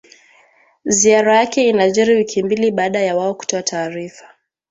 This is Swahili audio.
Ziara yake inajiri wiki mbili baada ya wao kutoa taarifa